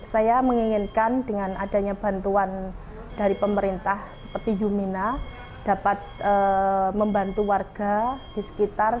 saya menginginkan dengan adanya bantuan dari pemerintah seperti yumina dapat membantu warga di sekitar